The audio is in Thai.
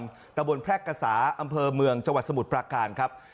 ตะบนแพรกษาอำเภอเมืองจังหวัดสมุทรปราการครับ